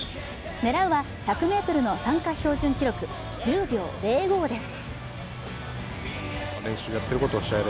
狙うは１００ｍの参加標準記録、１０秒０５です。